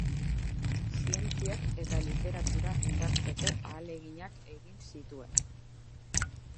Zientziak eta literatura indartzeko ahaleginak egin zituen.